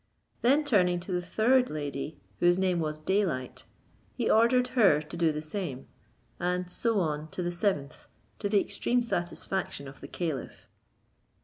Then turning to the third lady, whose name was Day light, he ordered her to do the same, and so on to the seventh, to the extreme satisfaction of the caliph.